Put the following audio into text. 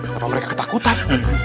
lupa meraika ketakutan